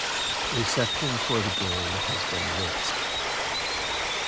Reception for the game has been mixed.